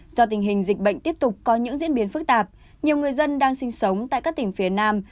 do tình hình dịch bệnh tiếp tục có những diễn biến phức tạp nhiều người dân đang sinh sống tại các tỉnh phía nam